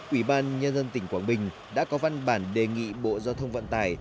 ủy ban nhân dân tỉnh quảng bình đã có văn bản đề nghị bộ giao thông vận tải